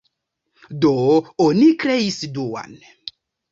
Do, oni kreis duan.